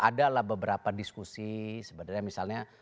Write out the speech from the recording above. ada lah beberapa diskusi sebenarnya misalnya